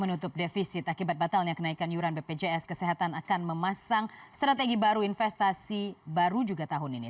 menutup defisit akibat batalnya kenaikan yuran bpjs kesehatan akan memasang strategi baru investasi baru juga tahun ini